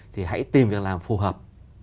thì hãy tìm việc làm phù hợp